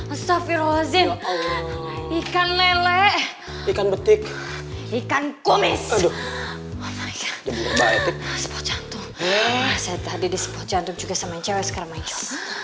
astaghfirullahaladzim astaghfirullahaladzim astaghfirullahaladzim ikan mele ikan betik ikan kumis